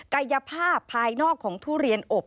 กายภาพภายนอกของทุเรียนอบ